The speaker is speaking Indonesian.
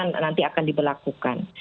nanti akan diberlakukan